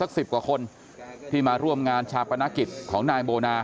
สิบกว่าคนที่มาร่วมงานชาปนกิจของนายโบนา